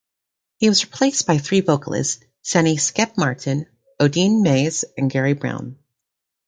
He was replaced by three vocalists: Sennie "Skip" Martin, Odeen Mays, and Gary Brown.